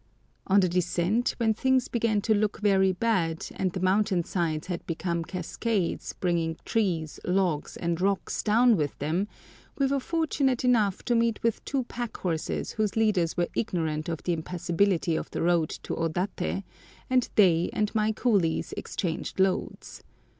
On the descent, when things began to look very bad, and the mountain sides had become cascades bringing trees, logs, and rocks down with them, we were fortunate enough to meet with two pack horses whose leaders were ignorant of the impassability of the road to Odaté, and they and my coolies exchanged loads.